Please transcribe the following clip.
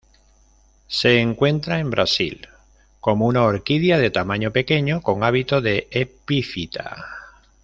Se encuentra en Brasil como una orquídea de tamaño pequeño, con hábito de epífita.